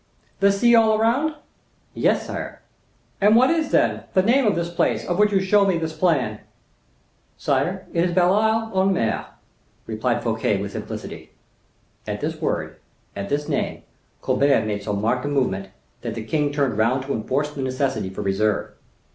"The sea all round?" "Yes, sire." "And what is, then, the name of this place of which you show me the plan?" "Sire, it is Belle Ile en Mer," replied Fouquet with simplicity. At this word, at this name, Colbert made so marked a movement, that the king turned round to enforce the necessity for reserve.